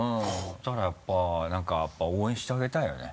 そしたらやっぱ何かやっぱ応援してあげたいよね。